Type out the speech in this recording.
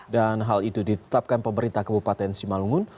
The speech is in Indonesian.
dan hal itu ditetapkan pemerintah kabupaten simalungun